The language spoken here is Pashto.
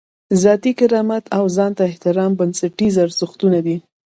ذاتي کرامت او ځان ته احترام بنسټیز ارزښتونه دي.